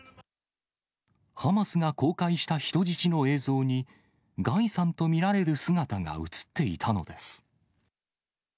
ハマスが公開した人質の映像に、ガイさんと見られる姿が映っていたのです。